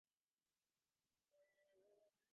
তাঁদের সঙ্গে আমাদের কী-একটা ঝগড়া চলছিল।